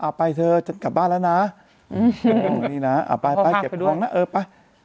อ่าไปเถอะจัดกลับบ้านแล้วนะนี่น่ะอ่าไปไปเก็บทองน่ะเออไป